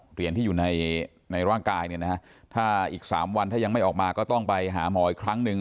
เหรียญที่อยู่ในร่างกายเนี่ยนะฮะถ้าอีก๓วันถ้ายังไม่ออกมาก็ต้องไปหาหมออีกครั้งหนึ่ง